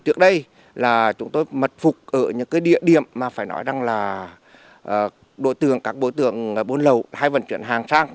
trước đây là chúng tôi mật phục ở những địa điểm mà phải nói rằng là đội tưởng các bộ tưởng buôn lậu hay vận chuyển hàng sang